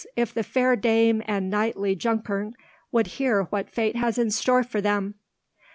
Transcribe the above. if the fair dame and knightly Junkern would hear what fate has in store for them."